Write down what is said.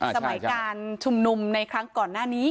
สมัยการชุมนุมในครั้งก่อนหน้านี้